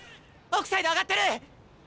オフサイド上がってる！